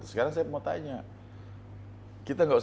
sekarang saya mau tanya